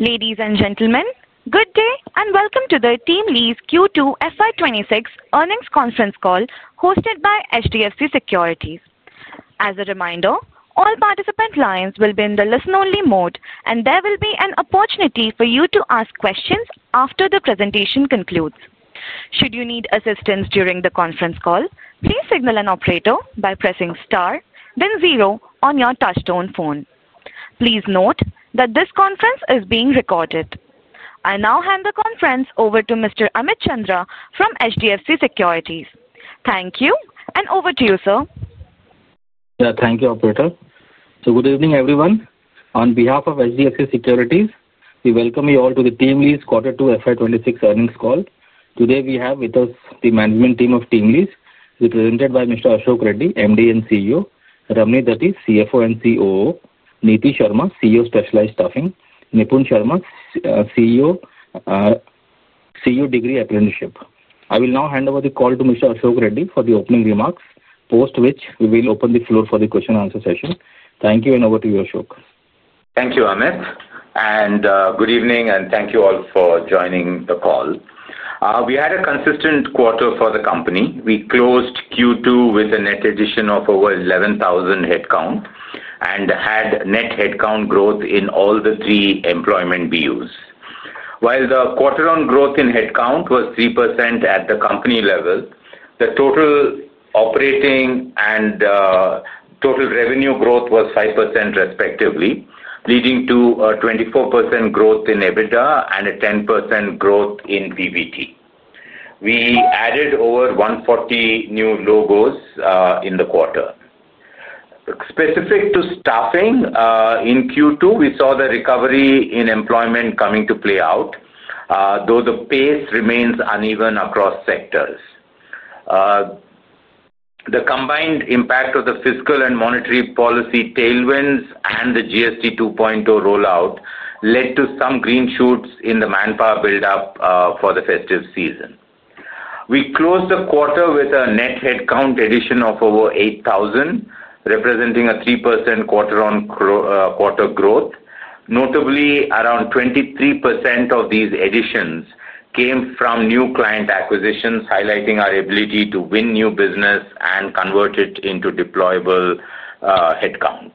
Ladies and gentlemen, good day and welcome to the TeamLease Q2 FY 2026 earnings conference call hosted by HDFC Securities. As a reminder, all participant lines will be in the listen-only mode, and there will be an opportunity for you to ask questions after the presentation concludes. Should you need assistance during the conference call, please signal an operator by pressing Star, then Zero on your touch-tone phone. Please note that this conference is being recorded. I now hand the conference over to Mr. Amit Chandra from HDFC Securities. Thank you, and over to you, sir. Thank you, Operator. Good evening, everyone. On behalf of HDFC Securities, we welcome you all to the TeamLease Q2 FY 2026 earnings call. Today we have with us the management team of TeamLease. We are presented by Mr. Ashok Reddy, MD and CEO, Ramani Dati, CFO and COO, Neeti Sharma, CEO Specialized Staffing, Nipun Sharma, CEO Degree Apprenticeship. I will now hand over the call to Mr. Ashok Reddy for the opening remarks, post which we will open the floor for the question-and-answer session. Thank you, and over to you, Ashok. Thank you, Amit. Good evening, and thank you all for joining the call. We had a consistent quarter for the company. We closed Q2 with a net addition of over 11,000 headcount and had net headcount growth in all the three employment BUs. While the quarter-end growth in headcount was 3% at the company level, the total operating and total revenue growth was 5%, respectively, leading to a 24% growth in EBITDA and a 10% growth in PBT. We added over 140 new logos in the quarter. Specific to staffing, in Q2, we saw the recovery in employment coming to play out, though the pace remains uneven across sectors. The combined impact of the fiscal and monetary policy tailwinds and the GST 2.0 rollout led to some green shoots in the manpower buildup for the festive season. We closed the quarter with a net headcount addition of over 8,000, representing a 3% quarter growth. Notably, around 23% of these additions came from new client acquisitions, highlighting our ability to win new business and convert it into deployable headcount.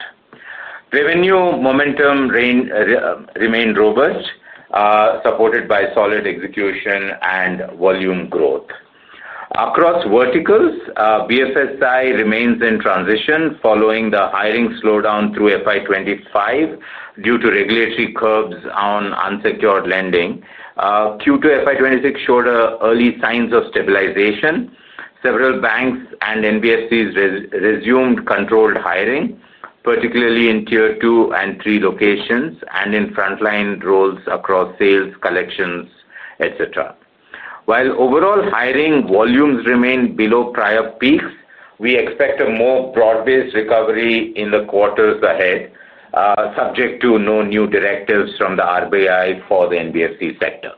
Revenue momentum remained robust, supported by solid execution and volume growth. Across verticals, BFSI remains in transition following the hiring slowdown through FY 2025 due to regulatory curbs on unsecured lending. Q2 FY 2026 showed early signs of stabilization. Several banks and NBFCs resumed controlled hiring, particularly in Tier 2 and 3 locations and in frontline roles across sales, collections, etc. While overall hiring volumes remain below prior peaks, we expect a more broad-based recovery in the quarters ahead, subject to no new directives from the RBI for the NBFC sector.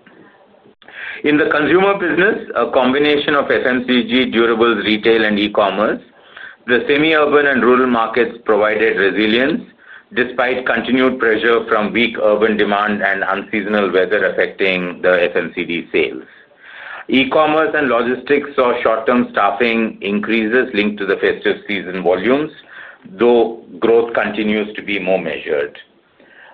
In the consumer business, a combination of FMCG, durables retail, and e-commerce, the semi-urban and rural markets provided resilience despite continued pressure from weak urban demand and unseasonal weather affecting the FMCG sales. E-commerce and logistics saw short-term staffing increases linked to the festive season volumes, though growth continues to be more measured.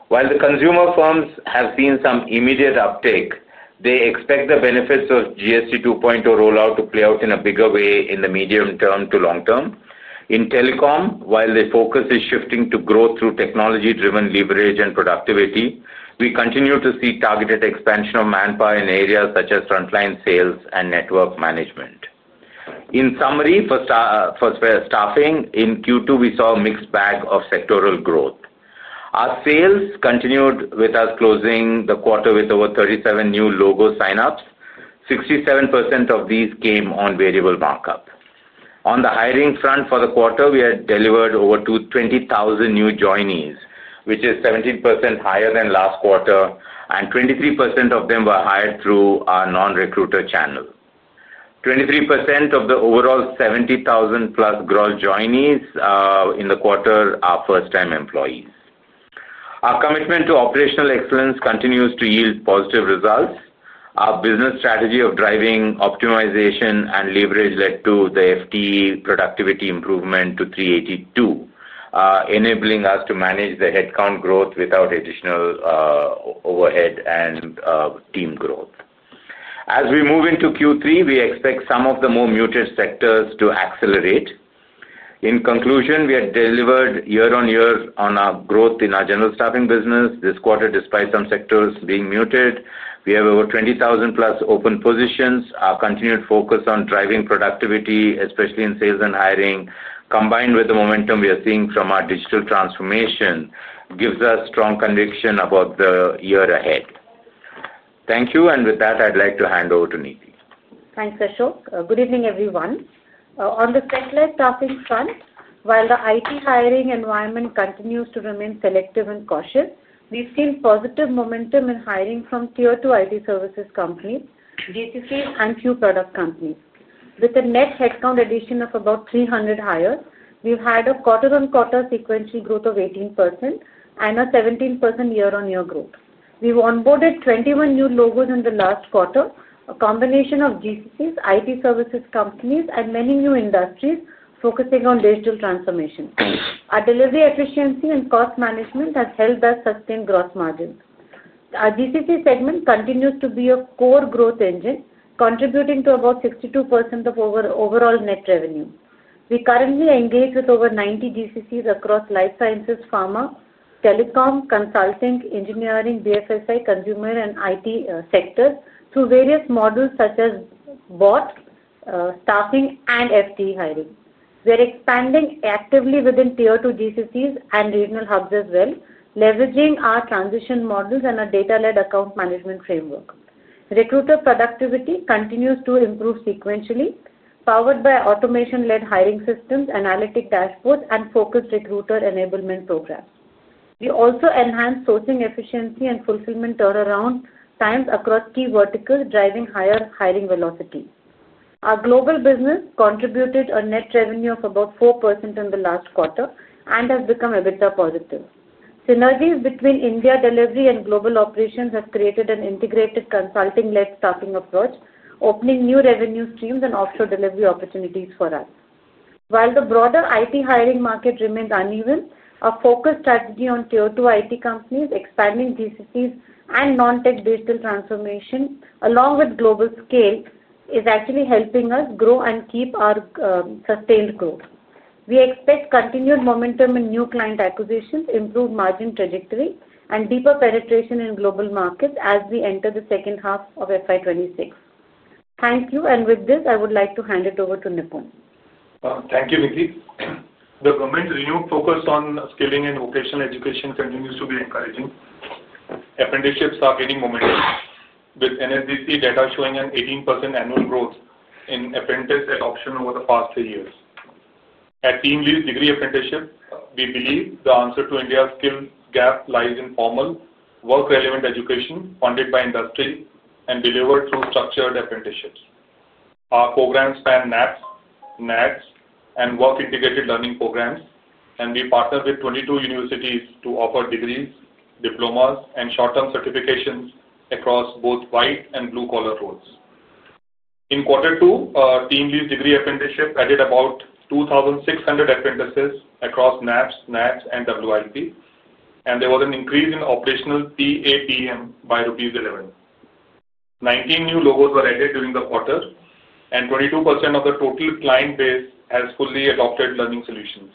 While the consumer firms have seen some immediate uptake, they expect the benefits of GST 2.0 rollout to play out in a bigger way in the medium-term to long-term. In telecom, while the focus is shifting to growth through technology-driven leverage and productivity, we continue to see targeted expansion of manpower in areas such as frontline sales and network management. In summary, for staffing, in Q2, we saw a mixed bag of sectoral growth. Our sales continued with us closing the quarter with over 37 new logo sign-ups, 67% of these came on variable markup. On the hiring front for the quarter, we had delivered over 20,000 new joinees, which is 17% higher than last quarter, and 23% of them were hired through our non-recruiter channel. 23% of the overall 70,000+ growth joinees in the quarter are first-time employees. Our commitment to operational excellence continues to yield positive results. Our business strategy of driving optimization and leverage led to the FTE productivity improvement to [382], enabling us to manage the headcount growth without additional overhead and team growth. As we move into Q3, we expect some of the more muted sectors to accelerate. In conclusion, we had delivered year-on-year on our growth in our general staffing business this quarter, despite some sectors being muted. We have over 20,000+ open positions. Our continued focus on driving productivity, especially in sales and hiring, combined with the momentum we are seeing from our digital transformation, gives us strong conviction about the year ahead. Thank you, and with that, I'd like to hand over to Neeti. Thanks, Ashok. Good evening, everyone. On the sector staffing front, while the IT hiring environment continues to remain selective and cautious, we've seen positive momentum in hiring from Tier 2 IT services companies, GCCs, and product companies. With a net headcount addition of about 300 hires, we've had a quarter-on-quarter sequential growth of 18% and a 17% year-on-year growth. We've onboarded 21 new logos in the last quarter, a combination of GCCs, IT services companies, and many new industries focusing on digital transformation. Our delivery efficiency and cost management have helped us sustain gross margins. Our GCC segment continues to be a core growth engine, contributing to about 62% of overall net revenue. We currently engage with over 90 GCCs across life sciences, pharma, telecom, consulting, engineering, BFSI, consumer, and IT sectors through various models such as BOT, staffing, and FTE hiring. We're expanding actively within Tier 2 GCCs and regional hubs as well, leveraging our transition models and our data-led account management framework. Recruiter productivity continues to improve sequentially, powered by automation-led hiring systems, analytic dashboards, and focused recruiter enablement programs. We also enhanced sourcing efficiency and fulfillment turnaround times across key verticals, driving higher hiring velocity. Our global business contributed a net revenue of about 4% in the last quarter and has become EBITDA positive. Synergies between India delivery and global operations have created an integrated consulting-led staffing approach, opening new revenue streams and offshore delivery opportunities for us. While the broader IT hiring market remains uneven, our focused strategy on Tier 2 IT companies, expanding GCCs, and non-tech digital transformation, along with global scale, is actually helping us grow and keep our sustained growth. We expect continued momentum in new client acquisitions, improved margin trajectory, and deeper penetration in global markets as we enter the second half of FY 2026. Thank you, and with this, I would like to hand it over to Nipun. Thank you, Neeti. The government's renewed focus on skilling and vocational education continues to be encouraging. Apprenticeships are gaining momentum, with NSDC data showing an 18% annual growth in apprentice adoption over the past three years. At TeamLease Degree Apprenticeship, we believe the answer to India's skill gap lies in formal work-relevant education funded by industry and delivered through structured apprenticeships. Our programs span NATS, NADS, and Work Integrated Learning programs, and we partner with 22 universities to offer degrees, diplomas, and short-term certifications across both white and blue-collar roles. In Q2, TeamLease Degree Apprenticeship added about 2,600 apprentices across NATS, NADS, and WIP, and there was an increase in operational PAPM by [11 rupees]. Nineteen new logos were added during the quarter, and 22% of the total client base has fully adopted learning solutions.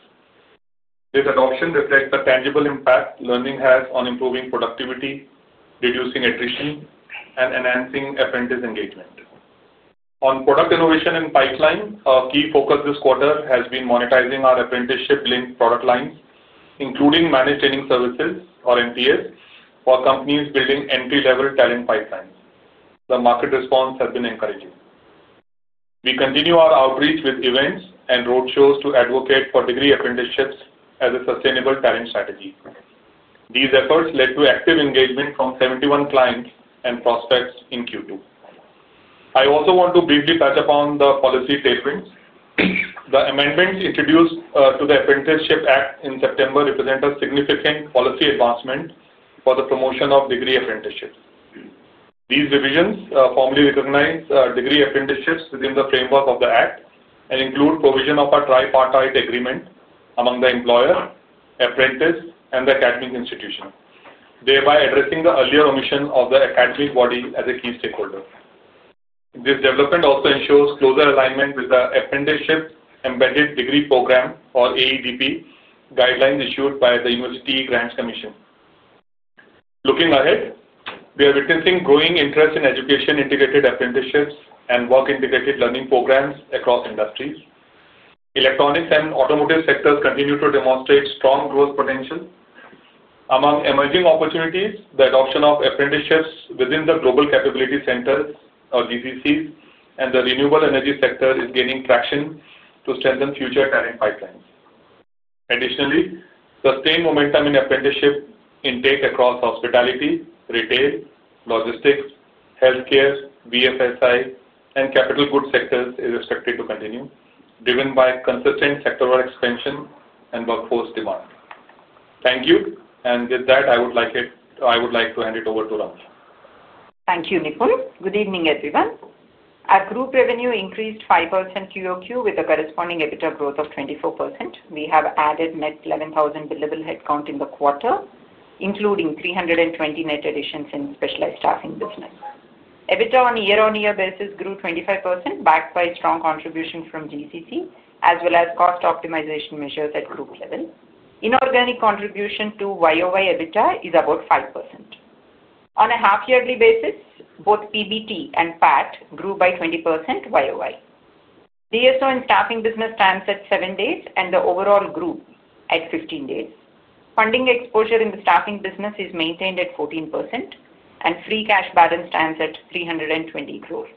This adoption reflects the tangible impact learning has on improving productivity, reducing attrition, and enhancing apprentice engagement. On product innovation and pipeline, our key focus this quarter has been monetizing our apprenticeship-linked product lines, including Managed Training Services, or MTS, for companies building entry-level talent pipelines. The market response has been encouraging. We continue our outreach with events and roadshows to advocate for degree apprenticeships as a sustainable talent strategy. These efforts led to active engagement from 71 clients and prospects in Q2. I also want to briefly touch upon the policy tailwinds. The amendments introduced to the Apprenticeship Act in September represent a significant policy advancement for the promotion of degree apprenticeships. These revisions formally recognize degree apprenticeships within the framework of the Act and include provision of a tripartite agreement among the employer, apprentice, and the academic institution, thereby addressing the earlier omission of the academic body as a key stakeholder. This development also ensures closer alignment with the Apprenticeship Embedded Degree Program, or AEDP, guidelines issued by the University Grants Commission. Looking ahead, we are witnessing growing interest in education-integrated apprenticeships and work-integrated learning programs across industries. Electronics and automotive sectors continue to demonstrate strong growth potential. Among emerging opportunities, the adoption of apprenticeships within the Global Capability Centers, or GCCs, and the renewable energy sector is gaining traction to strengthen future talent pipelines. Additionally, sustained momentum in apprenticeship intake across hospitality, retail, logistics, healthcare, BFSI, and capital goods sectors is expected to continue, driven by consistent sectoral expansion and workforce demand. Thank you, and with that, I would like to hand it over to Ramani. Thank you, Nipun. Good evening, everyone. Our group revenue increased 5% QOQ with a corresponding EBITDA growth of 24%. We have added net 11,000 billable headcount in the quarter, including 320 net additions in specialized staffing business. EBITDA on a year-on-year basis grew 25%, backed by strong contributions from GCC as well as cost optimization measures at group level. Inorganic contribution to YOY EBITDA is about 5%. On a half-yearly basis, both PBT and PAT grew by 20% YOY. DSO in staffing business times at seven days and the overall group at 15 days. Funding exposure in the staffing business is maintained at 14%, and free cash balance times at 320 crore.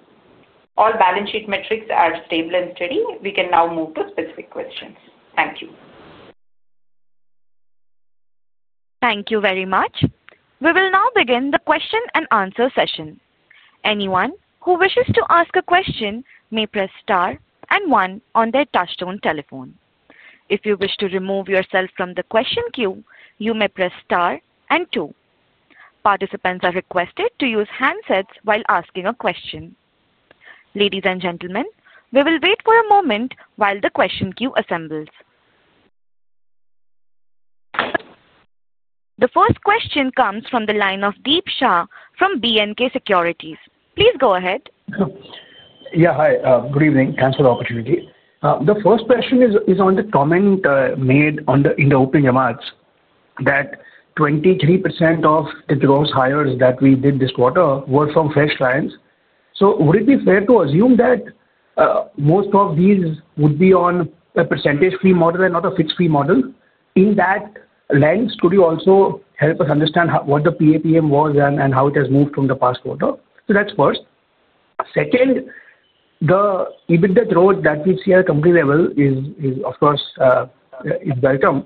All balance sheet metrics are stable and steady. We can now move to specific questions. Thank you. Thank you very much. We will now begin the question-and-answer session. Anyone who wishes to ask a question may press Star and 1 on their touchstone telephone. If you wish to remove yourself from the question queue, you may press Star and 2. Participants are requested to use handsets while asking a question. Ladies and gentlemen, we will wait for a moment while the question queue assembles. The first question comes from the line of Deep Shah from B&K Securities. Please go ahead. Yeah, hi. Good evening. Thanks for the opportunity. The first question is on the comment made in the opening remarks that 23% of the gross hires that we did this quarter were from fresh clients. Would it be fair to assume that most of these would be on a percentage-fee model and not a fixed-fee model? In that lens, could you also help us understand what the PAPM was and how it has moved from the past quarter? That is first. Second, the EBITDA growth that we see at a company level is, of course, welcome.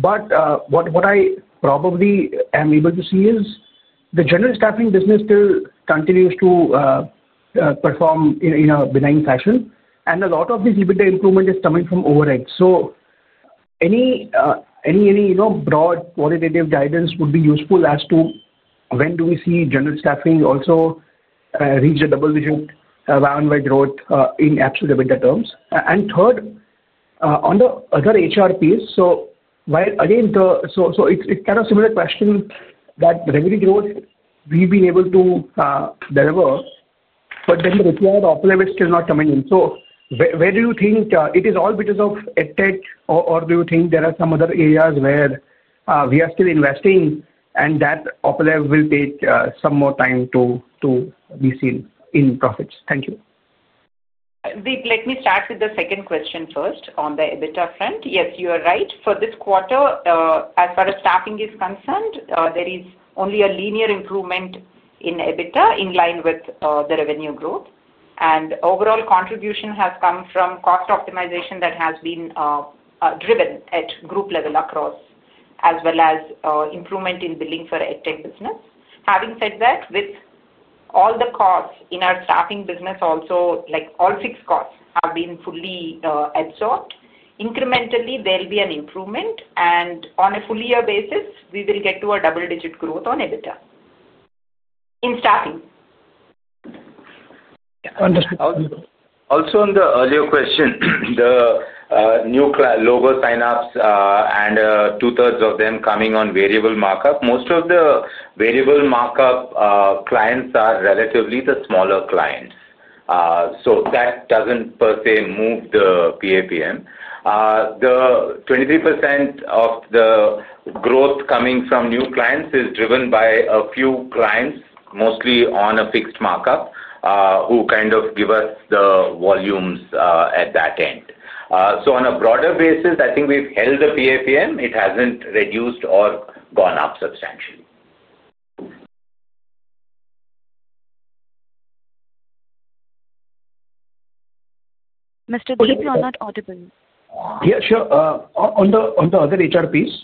What I probably am able to see is the general staffing business still continues to perform in a benign fashion, and a lot of this EBITDA improvement is coming from overhead. Any broad qualitative guidance would be useful as to when do we see general staffing also. Reach the double-digit, roundwide growth in absolute EBITDA terms. Third, on the other HR piece, again, it's kind of a similar question that revenue growth we've been able to deliver, but then the required [OPE level] is still not coming in. Where do you think it is? All because of EdTech, or do you think there are some other areas where we are still investing and that [OPE level] will take some more time to be seen in profits? Thank you. Deep, let me start with the second question first on the EBITDA front. Yes, you are right. For this quarter, as far as staffing is concerned, there is only a linear improvement in EBITDA in line with the revenue growth. Overall contribution has come from cost optimization that has been driven at group level across, as well as improvement in billing for EdTech business. Having said that, with all the costs in our staffing business, also all fixed costs have been fully absorbed. Incrementally, there will be an improvement. On a full-year basis, we will get to a double-digit growth on EBITDA in staffing. Also, on the earlier question, the new logo sign-ups and 2/3 of them coming on variable markup, most of the variable markup clients are relatively the smaller clients. That does not per se move the PAPM. The 23% of the growth coming from new clients is driven by a few clients, mostly on a fixed markup, who kind of give us the volumes at that end. On a broader basis, I think we've held the PAPM. It has not reduced or gone up substantially. Mr. Deep, you are not audible. Yeah, sure. On the other HR piece,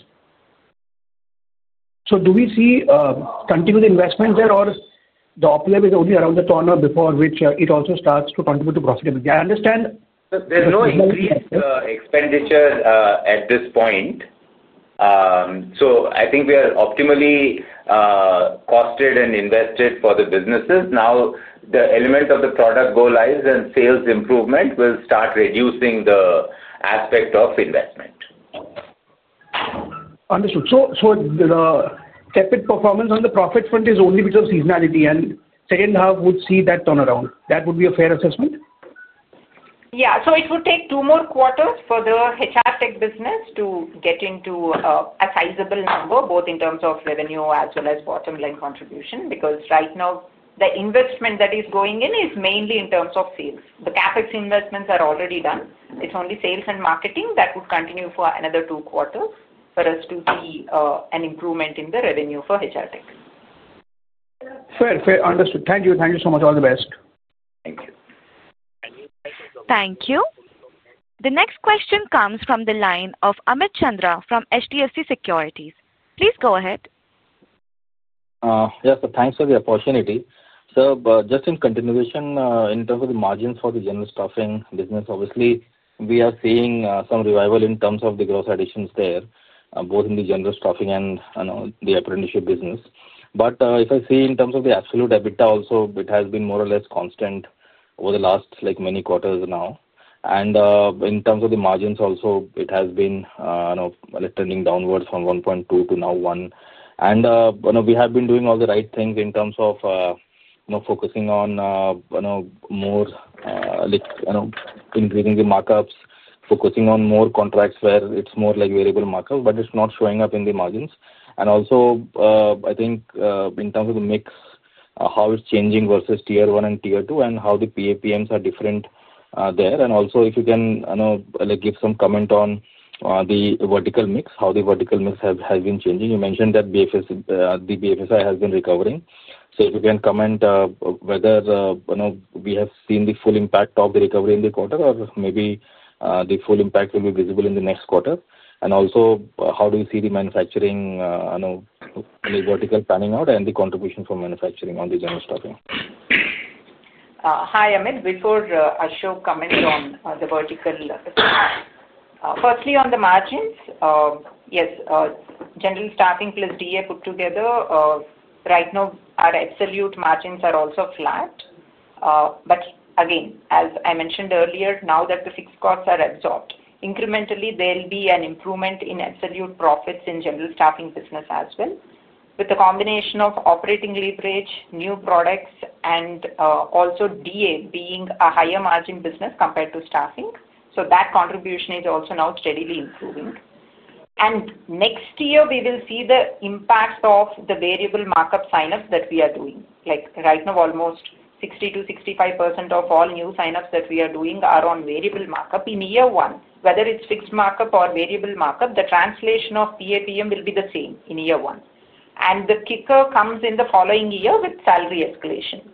do we see continued investment there, or the [OPE level] is only around the corner before which it also starts to contribute to profitability? I understand. There's no increased expenditure at this point. I think we are optimally costed and invested for the businesses. Now, the element of the product go-lives and sales improvement will start reducing the aspect of investment. Understood. The tepid performance on the profit front is only because of seasonality, and second half would see that turnaround. That would be a fair assessment? Yeah. It would take two more quarters for the HR tech business to get into a sizable number, both in terms of revenue as well as bottom-line contribution, because right now, the investment that is going in is mainly in terms of sales. The CapEx investments are already done. It's only sales and marketing that would continue for another two quarters for us to see an improvement in the revenue for HR tech. Fair. Fair. Understood. Thank you. Thank you so much. All the best. Thank you. Thank you. The next question comes from the line of Amit Chandra from HDFC Securities. Please go ahead. Yes, thanks for the opportunity. Sir, just in continuation in terms of the margins for the general staffing business, obviously, we are seeing some revival in terms of the gross additions there, both in the general staffing and the apprenticeship business. If I see in terms of the absolute EBITDA, also, it has been more or less constant over the last many quarters now. In terms of the margins, also, it has been trending downwards from 1.2 to now 1. We have been doing all the right things in terms of focusing on more, increasing the markups, focusing on more contracts where it's more like variable markup, but it's not showing up in the margins. Also, I think in terms of the mix, how it's changing versus tier one and tier two, and how the PAPMs are different there. Also, if you can give some comment on the vertical mix, how the vertical mix has been changing. You mentioned that the BFSI has been recovering. If you can comment whether we have seen the full impact of the recovery in the quarter, or maybe the full impact will be visible in the next quarter. Also, how do you see the manufacturing vertical panning out and the contribution from manufacturing on the general staffing? Hi, Amit. Before Ashok comments on the vertical. Firstly, on the margins, yes, general staffing plus DA put together, right now, our absolute margins are also flat. As I mentioned earlier, now that the fixed costs are absorbed, incrementally, there will be an improvement in absolute profits in general staffing business as well, with the combination of operating leverage, new products, and also DA being a higher margin business compared to staffing. That contribution is also now steadily improving. Next year, we will see the impact of the variable markup sign-ups that we are doing. Right now, almost 60%-65% of all new sign-ups that we are doing are on variable markup in year one. Whether it is fixed markup or variable markup, the translation of PAPM will be the same in year one. The kicker comes in the following year with salary escalation.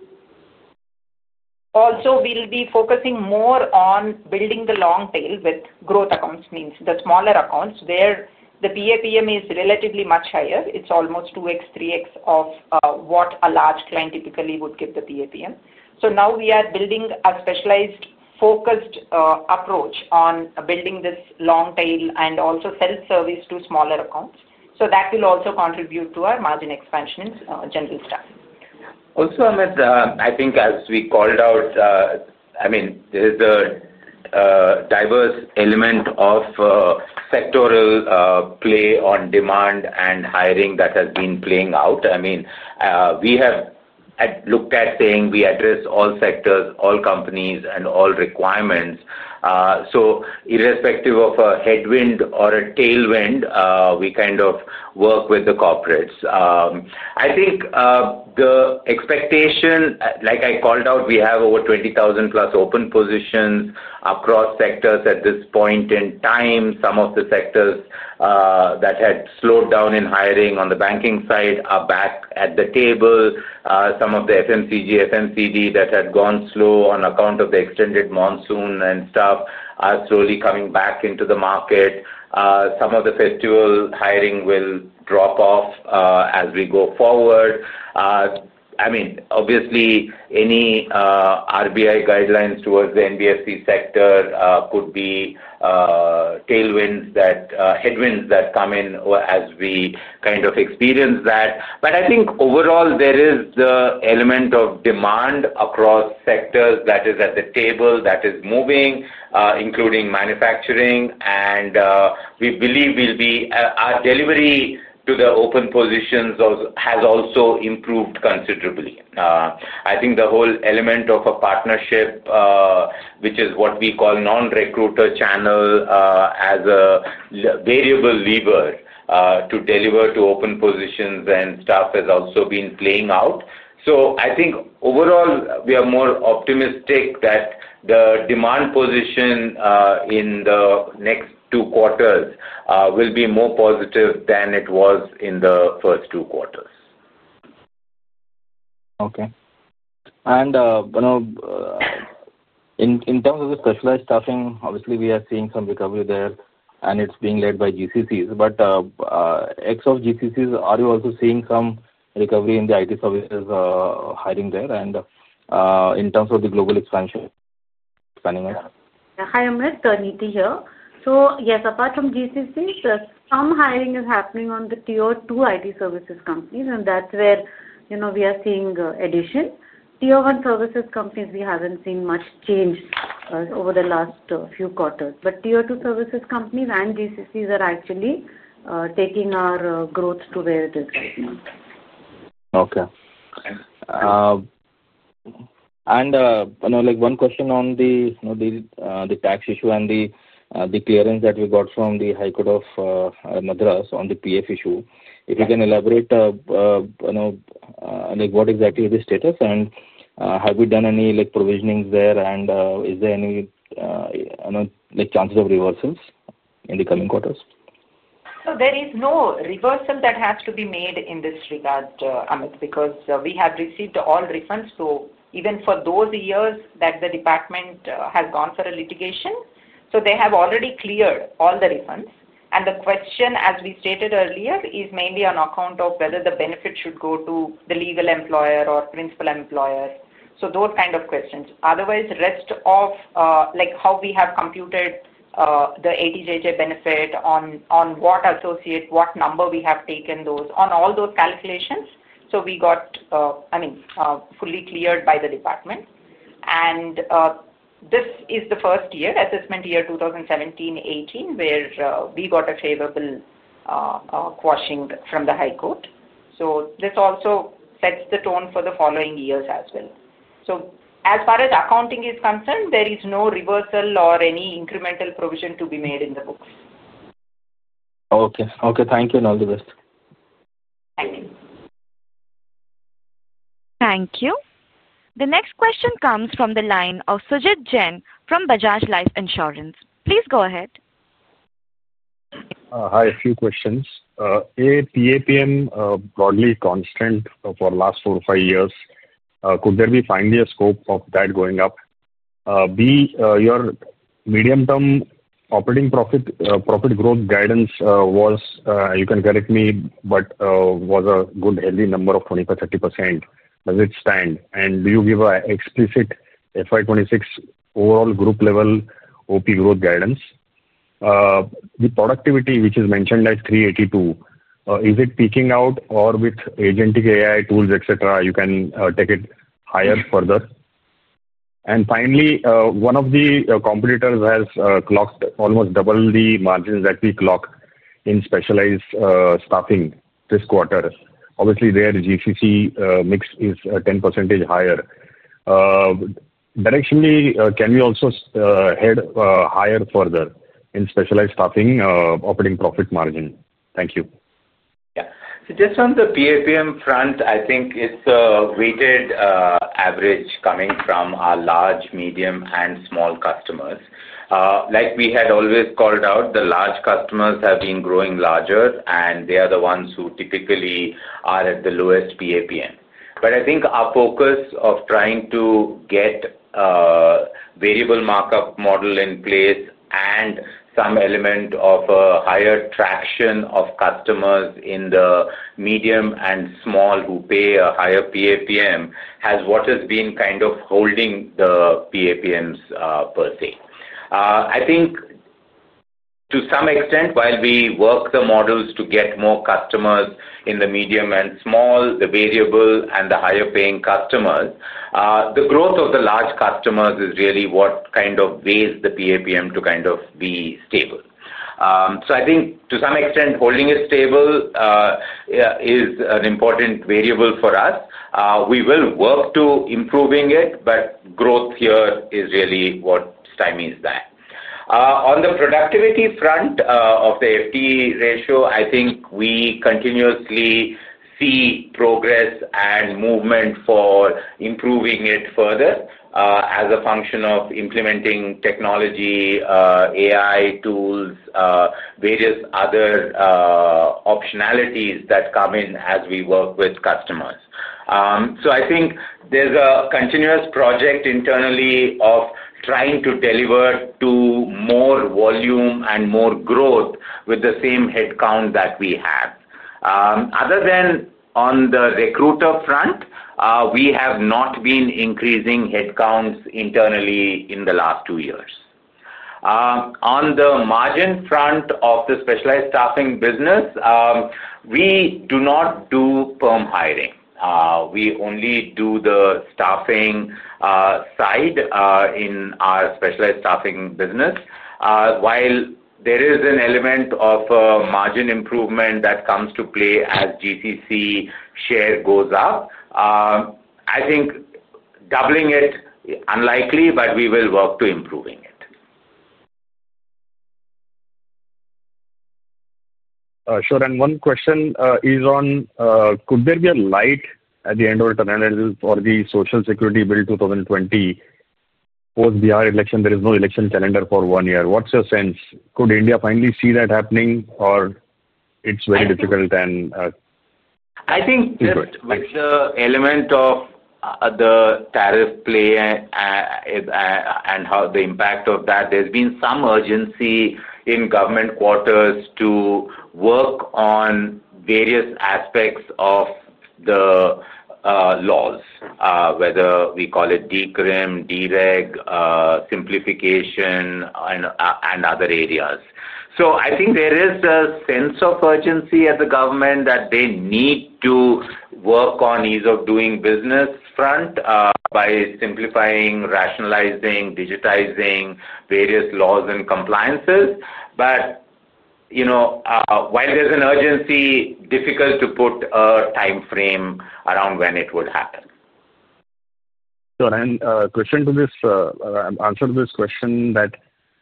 Also, we'll be focusing more on building the long tail with growth accounts, means the smaller accounts where the PAPM is relatively much higher. It's almost 2x-3x of what a large client typically would give the PAPM. Now we are building a specialized focused approach on building this long tail and also self-service to smaller accounts. That will also contribute to our margin expansion in general staffing. Also, Amit, I think as we called out. I mean, there is a diverse element of sectoral play on demand and hiring that has been playing out. I mean, we have looked at saying we address all sectors, all companies, and all requirements. So irrespective of a headwind or a tailwind, we kind of work with the corporates. I think the expectation, like I called out, we have over 20,000+ open positions across sectors at this point in time. Some of the sectors that had slowed down in hiring on the banking side are back at the table. Some of the FMCG, FMCD that had gone slow on account of the extended monsoon and stuff are slowly coming back into the market. Some of the festival hiring will drop off as we go forward. I mean, obviously, any RBI guidelines towards the NBFC sector could be. Tailwinds that come in as we kind of experience that. I think overall, there is the element of demand across sectors that is at the table that is moving, including manufacturing. We believe our delivery to the open positions has also improved considerably. I think the whole element of a partnership, which is what we call non-recruiter channel as a variable lever to deliver to open positions and stuff, has also been playing out. I think overall, we are more optimistic that the demand position in the next two quarters will be more positive than it was in the first two quarters. Okay. In terms of the specialized staffing, obviously, we are seeing some recovery there, and it's being led by GCCs. Ex of GCCs, are you also seeing some recovery in the IT services hiring there? In terms of the global expansion. Hi, Amit. Neeti here. Yes, apart from GCCs, some hiring is happening on the tier two IT services companies, and that's where we are seeing addition. Tier one services companies, we haven't seen much change over the last few quarters. Tier two services companies and GCCs are actually taking our growth to where it is right now. Okay. One question on the tax issue and the clearance that we got from the High Court of Madras on the PAF issue. If you can elaborate, what exactly is the status, and have we done any provisionings there, and is there any chances of reversals in the coming quarters? There is no reversal that has to be made in this regard, Amit, because we have received all refunds. Even for those years that the department has gone for a litigation, they have already cleared all the refunds. The question, as we stated earlier, is mainly on account of whether the benefit should go to the legal employer or principal employer. Those kind of questions. Otherwise, the rest of how we have computed the ATJJ benefit, on what number we have taken those, on all those calculations, we got, I mean, fully cleared by the department. This is the first year, assessment year 2017-2018, where we got a favorable quashing from the High Court. This also sets the tone for the following years as well. As far as accounting is concerned, there is no reversal or any incremental provision to be made in the books. Okay. Okay. Thank you. All the best. Thank you. Thank you. The next question comes from the line of Sujit Jain from Bajaj Life Insurance. Please go ahead. Hi. A few questions. A, PAPM broadly constant for the last four or five years. Could there be finally a scope of that going up? B, your medium-term operating profit growth guidance was, you can correct me, but was a good, healthy number of 25%-30%. Does it stand? And do you give an explicit FY 2026 overall group-level OP growth guidance? The productivity, which is mentioned as [382], is it peaking out, or with agentic AI tools, etc., you can take it higher further? Finally, one of the competitors has clocked almost double the margins that we clocked in specialized staffing this quarter. Obviously, their GCC mix is 10% higher. Directionally, can we also head higher further in specialized staffing operating profit margin? Thank you. Yeah. So just on the PAPM front, I think it's a weighted average coming from our large, medium, and small customers. Like we had always called out, the large customers have been growing larger, and they are the ones who typically are at the lowest PAPM. I think our focus of trying to get a variable markup model in place and some element of a higher traction of customers in the medium and small who pay a higher PAPM is what has been kind of holding the PAPMs per se. I think to some extent, while we work the models to get more customers in the medium and small, the variable and the higher-paying customers, the growth of the large customers is really what kind of weighs the PAPM to be stable. I think to some extent, holding it stable is an important variable for us. We will work to improving it, but growth here is really what stymies that. On the productivity front of the FTE ratio, I think we continuously see progress and movement for improving it further as a function of implementing technology, AI tools, various other optionalities that come in as we work with customers. I think there is a continuous project internally of trying to deliver to more volume and more growth with the same headcount that we have. Other than on the recruiter front, we have not been increasing headcounts internally in the last two years. On the margin front of the specialized staffing business, we do not do firm hiring. We only do the staffing side in our specialized staffing business. While there is an element of margin improvement that comes to play as GCC share goes up, I think. Doubling it, unlikely, but we will work to improving it. Sure. One question is on, could there be a light at the end of the tunnel for the Social Security Bill 2020? Post-Bihar election, there is no election calendar for one year. What's your sense? Could India finally see that happening, or it's very difficult? I think the element of the tariff play and the impact of that, there's been some urgency in government quarters to work on various aspects of the laws, whether we call it DCRIM, DREG, simplification, and other areas. I think there is a sense of urgency at the government that they need to work on ease of doing business front by simplifying, rationalizing, digitizing various laws and compliances. While there's an urgency, difficult to put a timeframe around when it would happen. Sure. Question to this, answer to this question that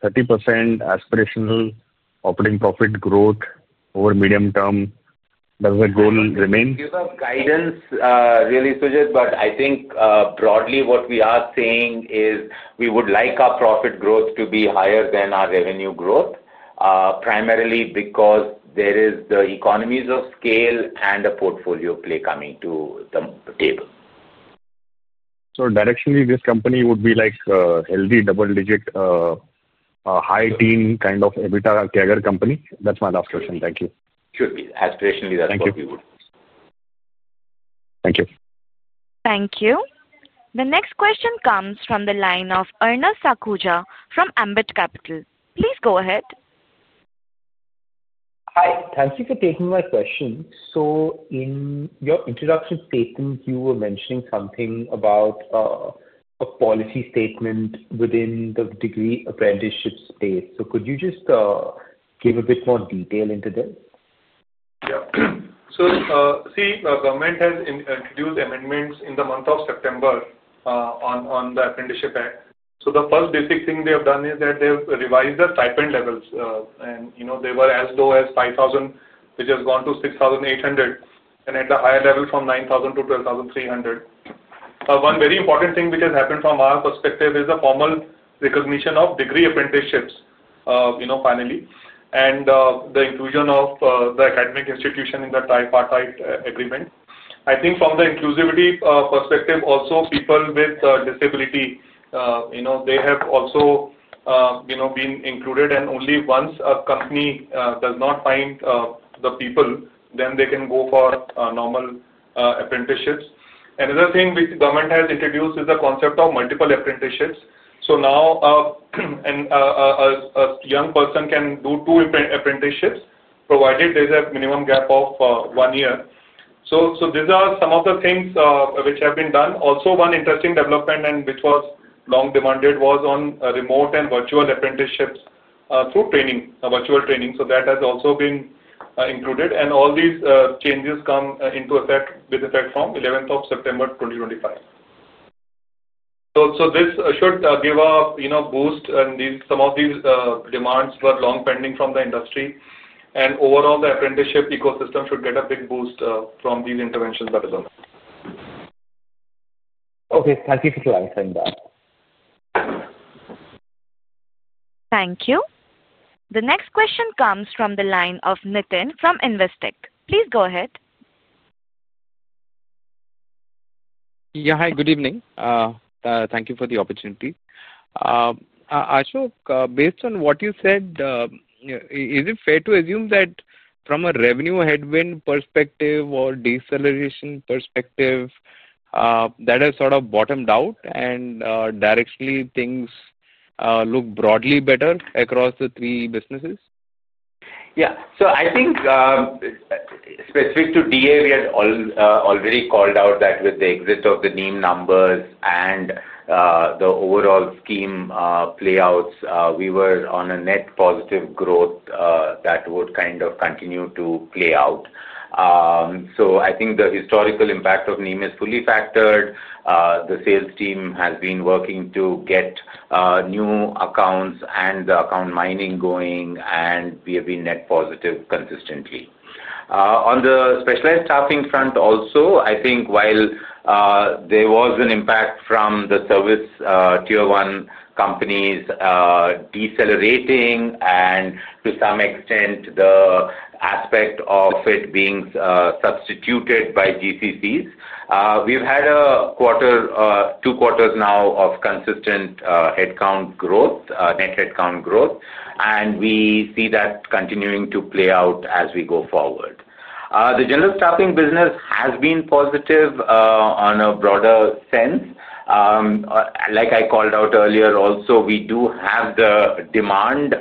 30% aspirational operating profit growth over medium term, does the goal remain? Give us guidance, really, Sujit, but I think broadly what we are saying is we would like our profit growth to be higher than our revenue growth. Primarily because there is the economies of scale and a portfolio play coming to the table. Directionally, this company would be like a healthy double-digit, high teen kind of EBITDA CAGR company? That's my last question. Thank you. Should be. Aspirationally, that's what we would. Thank you. Thank you. The next question comes from the line of Arnav Sakhuja from Ambit Capital. Please go ahead. Hi. Thank you for taking my question. In your introduction statement, you were mentioning something about a policy statement within the degree apprenticeship space. Could you just give a bit more detail into this? Yeah. See, government has introduced amendments in the month of September on the Apprenticeship Act. The first basic thing they have done is that they've revised the stipend levels. They were as low as 5,000, which has gone to 6,800, and at the higher level from 9,000 to 12,300. One very important thing which has happened from our perspective is the formal recognition of degree apprenticeships finally, and the inclusion of the academic institution in the tripartite agreement. I think from the inclusivity perspective, also people with disability, they have also been included. Only once a company does not find the people, then they can go for normal apprenticeships. Another thing which the government has introduced is the concept of multiple apprenticeships. Now, a young person can do two apprenticeships, provided there's a minimum gap of one year. These are some of the things which have been done. Also, one interesting development, and which was long demanded, was on remote and virtual apprenticeships through training, virtual training. That has also been included. All these changes come with effect from September 11, 2025. This should give a boost, and some of these demands were long pending from the industry. Overall, the apprenticeship ecosystem should get a big boost from these interventions that are done. Okay. Thank you for clarifying that. Thank you. The next question comes from the line of Nitin from InvesTech. Please go ahead. Yeah. Hi. Good evening. Thank you for the opportunity. Ashok, based on what you said, is it fair to assume that from a revenue headwind perspective or deceleration perspective, that has sort of bottomed out and directionally things look broadly better across the three businesses? Yeah. I think, specific to DA, we had already called out that with the exit of the NEEM numbers and the overall scheme playouts, we were on a net positive growth that would kind of continue to play out. I think the historical impact of NEEM is fully factored. The sales team has been working to get new accounts and the account mining going, and we have been net positive consistently. On the specialized staffing front, also, I think while there was an impact from the service tier one companies decelerating and to some extent the aspect of it being substituted by GCCs, we've had a quarter, two quarters now of consistent headcount growth, net headcount growth, and we see that continuing to play out as we go forward. The general staffing business has been positive on a broader sense. Like I called out earlier, also, we do have the demand.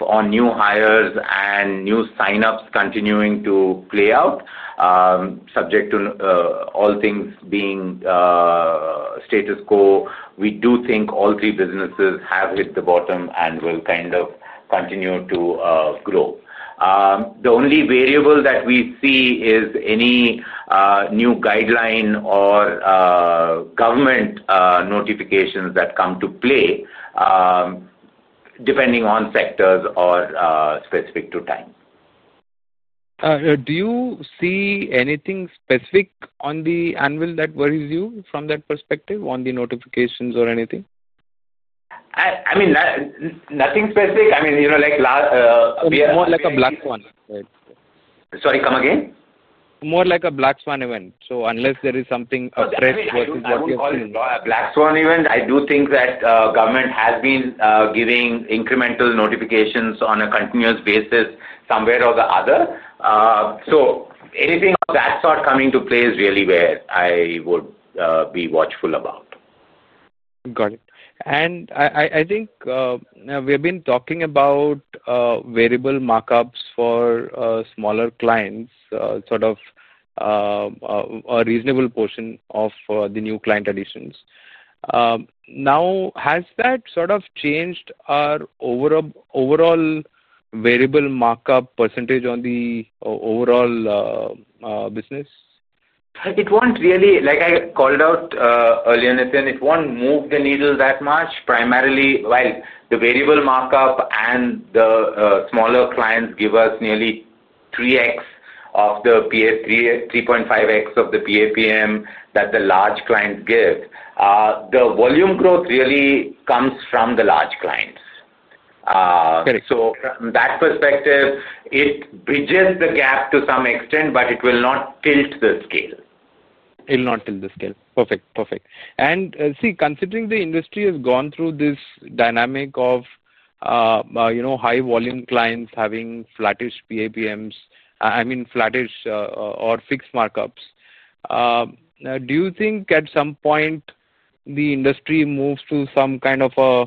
On new hires and new sign-ups continuing to play out. Subject to all things being status quo, we do think all three businesses have hit the bottom and will kind of continue to grow. The only variable that we see is any new guideline or government notifications that come to play, depending on sectors or specific to time. Do you see anything specific on the anvil that worries you from that perspective on the notifications or anything? I mean, nothing specific. I mean, like. More like a black swan. Sorry, come again? More like a black swan event. Unless there is something addressed versus what you're seeing. I wouldn't call it a black swan event. I do think that government has been giving incremental notifications on a continuous basis somewhere or the other. Anything of that sort coming to play is really where I would be watchful about. Got it. I think we have been talking about variable markups for smaller clients, sort of a reasonable portion of the new client additions. Now, has that sort of changed our overall variable markup percentage on the overall business? It won't really, like I called out earlier, Nitin, it won't move the needle that much. Primarily, while the variable markup and the smaller clients give us nearly 3x of the PAPM, 3.5x of the PAPM that the large clients give. The volume growth really comes from the large clients. Got it. From that perspective, it bridges the gap to some extent, but it will not tilt the scale. It will not tilt the scale. Perfect. Perfect. See, considering the industry has gone through this dynamic of high volume clients having flattish PAPMs, I mean, flattish or fixed markups. Do you think at some point the industry moves to some kind of a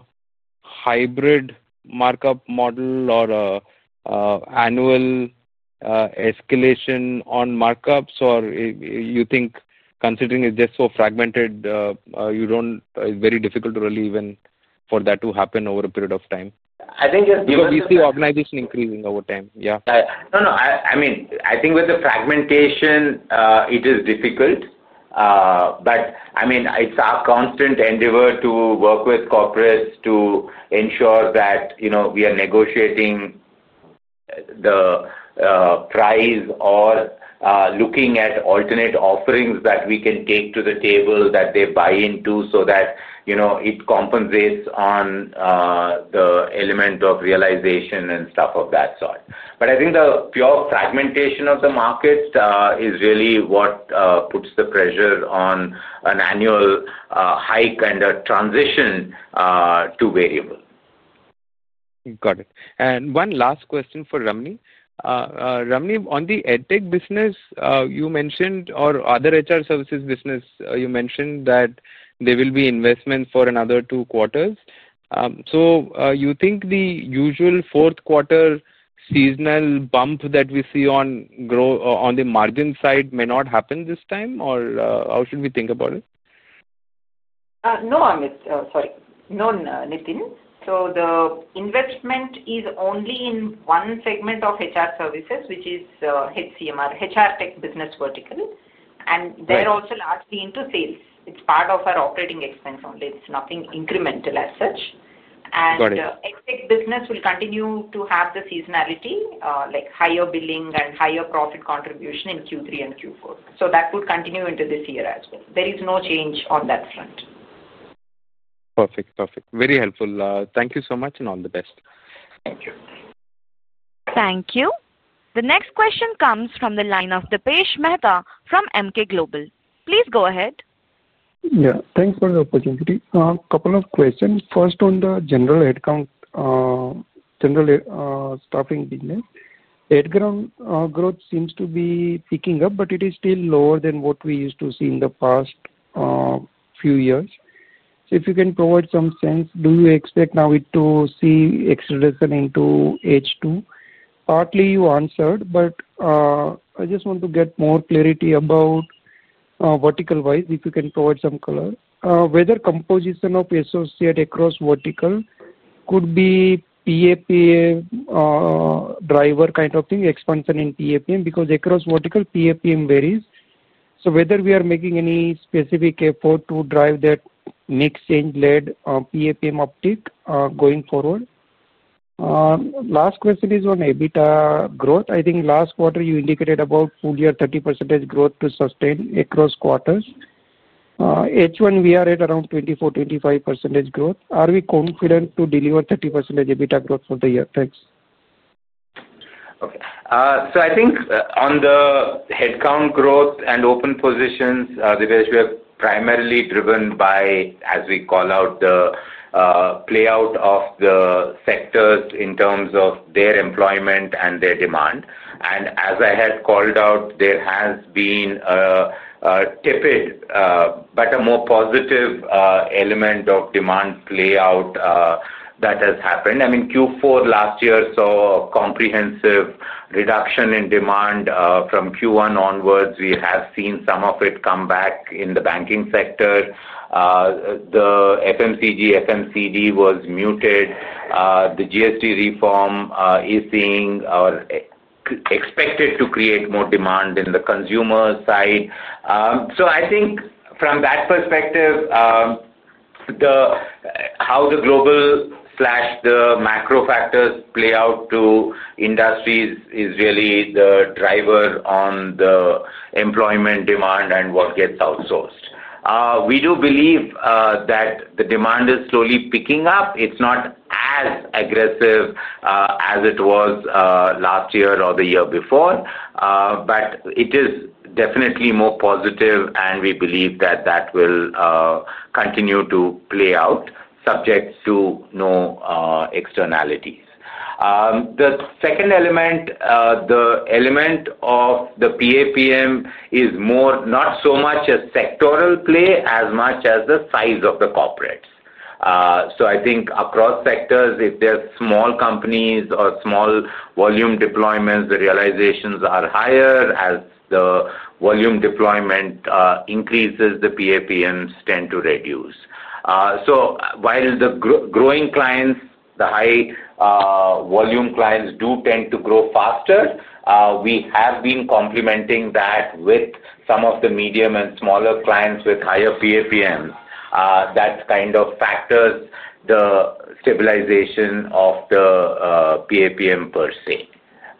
hybrid markup model or annual escalation on markups, or you think considering it's just so fragmented, it's very difficult to really even for that to happen over a period of time? I think it's because. Because you see organization increasing over time. Yeah. No, no. I mean, I think with the fragmentation, it is difficult. I mean, it's our constant endeavor to work with corporates to ensure that we are negotiating the price or looking at alternate offerings that we can take to the table that they buy into so that it compensates on the element of realization and stuff of that sort. I think the pure fragmentation of the market is really what puts the pressure on an annual hike and a transition to variable. Got it. One last question for Ramani. Ramani, on the EdTech business, you mentioned, or other HR services business, you mentioned that there will be investment for another two quarters. Do you think the usual fourth quarter seasonal bump that we see on the margin side may not happen this time, or how should we think about it? No, Amit. I'm sorry. No, Nitin. The investment is only in one segment of HR services, which is HCMR, HR tech business vertical. They are also largely into sales. It is part of our operating expense only. It is nothing incremental as such. The EdTech business will continue to have the seasonality, like higher billing and higher profit contribution in Q3 and Q4. That would continue into this year as well. There is no change on that front. Perfect. Perfect. Very helpful. Thank you so much and all the best. Thank you. Thank you. The next question comes from the line of Dipesh Mehta from Emkay Global. Please go ahead. Yeah. Thanks for the opportunity. A couple of questions. First, on the general headcount. General staffing business. [Ed ground] growth seems to be picking up, but it is still lower than what we used to see in the past few years. If you can provide some sense, do you expect now to see acceleration into H2? Partly, you answered, but I just want to get more clarity about, vertical-wise, if you can provide some color. Whether composition of associate across vertical could be PAPM driver kind of thing, expansion in PAPM, because across vertical, PAPM varies. Whether we are making any specific effort to drive that next change-led PAPM uptick going forward. Last question is on EBITDA growth. I think last quarter, you indicated about full year 30% growth to sustain across quarters. H1, we are at around 24%-25% growth. Are we confident to deliver 30% EBITDA growth for the year? Thanks. Okay. I think on the headcount growth and open positions, they were primarily driven by, as we call out, the playout of the sectors in terms of their employment and their demand. As I had called out, there has been a tepid but a more positive element of demand playout that has happened. I mean, Q4 last year saw a comprehensive reduction in demand. From Q1 onwards, we have seen some of it come back in the banking sector. The FMCG, FMCD was muted. The GST reform is seeing or expected to create more demand in the consumer side. I think from that perspective, how the global or the macro factors play out to industries is really the driver on the employment demand and what gets outsourced. We do believe that the demand is slowly picking up. It's not as aggressive as it was last year or the year before, but it is definitely more positive, and we believe that that will continue to play out, subject to no externalities. The second element. The element of the PAPM is not so much a sectoral play as much as the size of the corporates. I think across sectors, if there are small companies or small volume deployments, the realizations are higher. As the volume deployment increases, the PAPMs tend to reduce. While the growing clients, the high volume clients do tend to grow faster, we have been complementing that with some of the medium and smaller clients with higher PAPMs. That kind of factors the stabilization of the PAPM per se.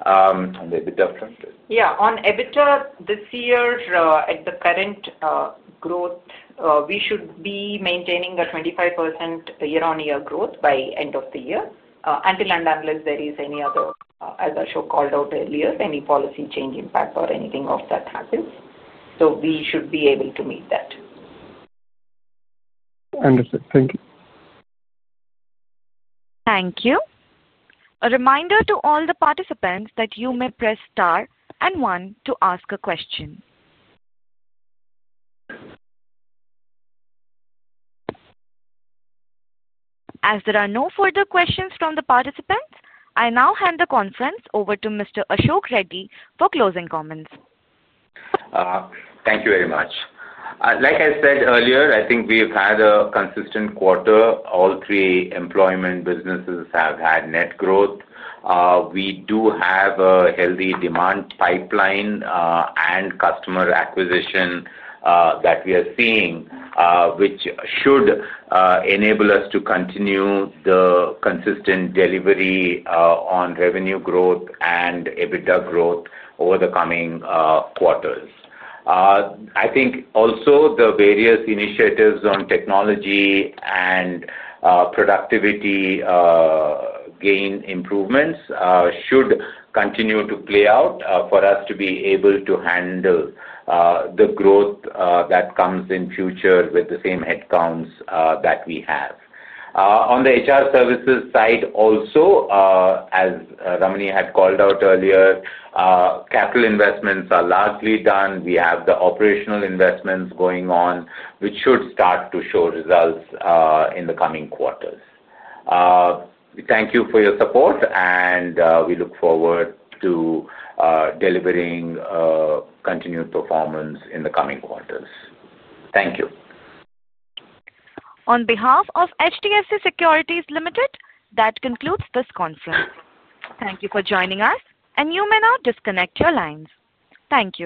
On the EBITDA front? Yeah. On EBITDA, this year, at the current growth, we should be maintaining a 25% year-on-year growth by end of the year until and unless there is any other, as Ashok called out earlier, any policy change impact or anything of that happens. We should be able to meet that. Understood. Thank you. Thank you. A reminder to all the participants that you may press star and one to ask a question. As there are no further questions from the participants, I now hand the conference over to Mr. Ashok Reddy for closing comments. Thank you very much. Like I said earlier, I think we have had a consistent quarter. All three employment businesses have had net growth. We do have a healthy demand pipeline and customer acquisition that we are seeing, which should enable us to continue the consistent delivery on revenue growth and EBITDA growth over the coming quarters. I think also the various initiatives on technology and productivity gain improvements should continue to play out for us to be able to handle the growth that comes in future with the same headcounts that we have. On the HR services side also, as Ramani had called out earlier, capital investments are largely done. We have the operational investments going on, which should start to show results in the coming quarters. Thank you for your support, and we look forward to delivering continued performance in the coming quarters. Thank you. On behalf of HDFC Securities Ltd., that concludes this conference. Thank you for joining us, and you may now disconnect your lines. Thank you.